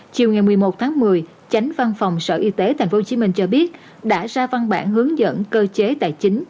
chiều ngày một mươi một tháng một mươi tránh văn phòng sở y tế tp hcm cho biết đã ra văn bản hướng dẫn cơ chế tài chính